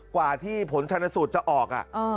กว่าที่ผลชนสูตรจะออก